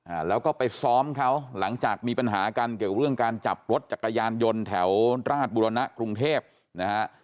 อ่าแล้วก็ไปซ้อมเขาหลังจากมีปัญหากันเกี่ยวเรื่องการจับรถจักรยานยนต์แถวราชบุรณะกรุงเทพนะฮะ